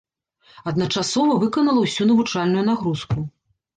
Адначасова выканала ўсю навучальную нагрузку.